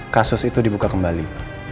kasus itu dibuka kembali